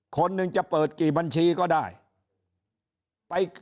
คนหนึ่งจะเปิดกี่บัญชีก็ได้